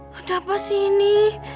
kenapa sih ini